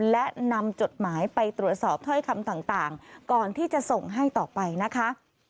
และนำจดหมายไปตรวจสอบถ้อยคำต่างก่อนที่จะส่งให้ต่อไปนะคะ